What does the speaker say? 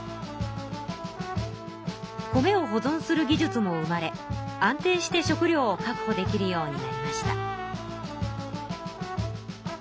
米を保ぞんする技術も生まれ安定して食りょうを確保できるようになりました。